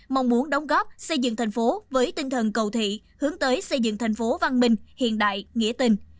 mong muốn đóng góp xây dựng thành phố với tinh thần cầu thị hướng tới xây dựng thành phố văn minh hiện đại nghĩa tình